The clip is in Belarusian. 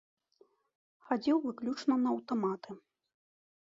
Хадзіў выключна на аўтаматы.